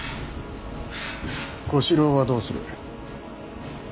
小四郎はどうする。